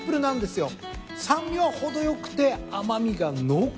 酸味は程よくて甘味が濃厚。